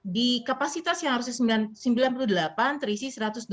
di kapasitas yang seharusnya sembilan puluh delapan terisi satu ratus dua puluh tujuh